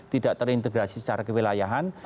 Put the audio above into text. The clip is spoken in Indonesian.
tidak terintegrasi secara kewilayahan